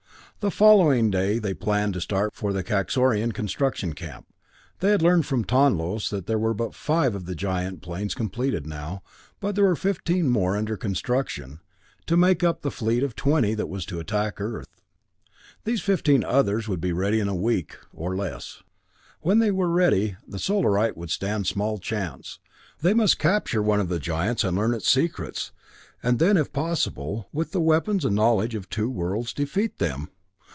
The following day they planned to start for the Kaxorian construction camp. They had learned from Tonlos that there were but five of the giant planes completed now, but there were fifteen more under construction, to make up the fleet of twenty that was to attack Earth. These fifteen others would be ready in a week or less. When they were ready, the Solarite would stand small chance. They must capture one of the giants and learn its secrets, and then, if possible, with the weapons and knowledge of two worlds, defeat them.